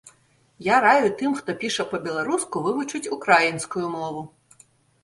Я раю тым, хто піша па-беларуску, вывучыць украінскую мову.